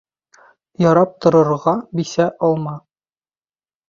«Ярап торор»ға бисә алма.